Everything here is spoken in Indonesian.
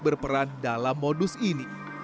berperan dalam modus ini